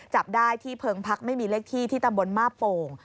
จับได้ที่เพิงพักไม่มีเลขที่ที่ตำบลมาบโป่ง